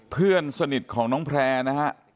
เพื่อนสนิทของน้องแพร่นะฮะ